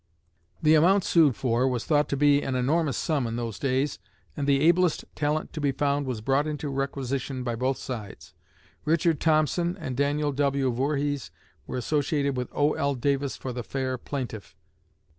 The amount sued for was thought to be an enormous sum in those days, and the ablest talent to be found was brought into requisition by both sides. Richard Thompson and Daniel W. Voorhees were associated with O.L. Davis for the fair plaintiff.